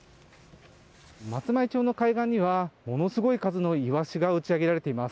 松前町の海岸にはものすごい数のイワシが打ち上げられています。